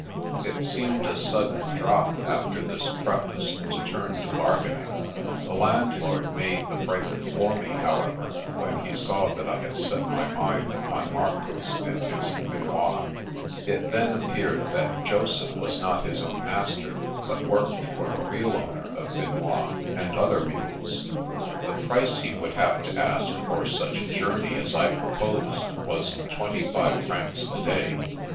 It seemed a sudden drop, after this preface, to turn to bargaining. The landlord made the break for me, however, when he saw that I had set my mind upon Marcoz and his Finois. It then appeared that Joseph was not his own master, but worked for the real owner of Finois and other mules. The price he would have to ask for such a journey as I proposed was twenty five francs a day.